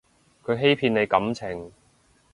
佢欺騙你感情